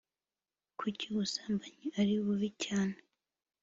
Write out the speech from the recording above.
Kuki ubusambanyi ari bubi cyane